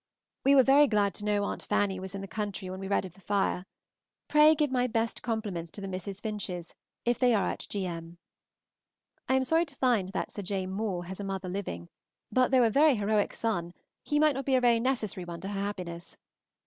We were very glad to know Aunt Fanny was in the country when we read of the fire. Pray give my best compliments to the Mrs. Finches, if they are at Gm. I am sorry to find that Sir J. Moore has a mother living, but though a very heroic son he might not be a very necessary one to her happiness.